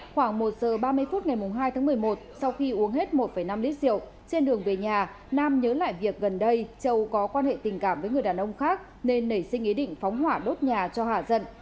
khoảng một giờ ba mươi phút ngày hai tháng một mươi một sau khi uống hết một năm lít rượu trên đường về nhà nam nhớ lại việc gần đây châu có quan hệ tình cảm với người đàn ông khác nên nảy sinh ý định phóng hỏa đốt nhà cho hạ dận